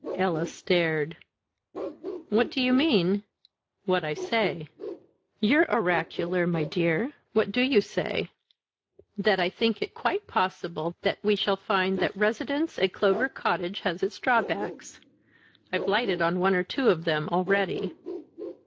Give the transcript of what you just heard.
Ella stared. "What do you mean?" "What I say." "You're oracular, my dear. What do you say?" "That I think it quite possible that we shall find that residence at Clover Cottage has its drawbacks; I've lighted on one or two of them already."